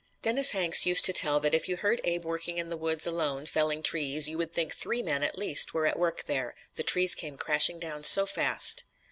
Dennis Hanks used to tell that if you heard Abe working in the woods alone, felling trees, you would think three men, at least, were at work there the trees came crashing down so fast.